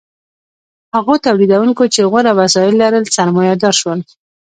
هغو تولیدونکو چې غوره وسایل لرل سرمایه دار شول.